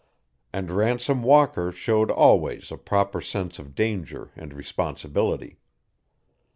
And Ransom Walker showed always a proper sense of danger and responsibility.